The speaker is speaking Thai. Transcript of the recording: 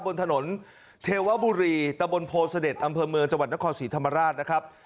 บนถนนเทวบุรีตะบนโพเสด็จอำเภอเมืองจังหวัดนครศรีธรรมราชนะครับ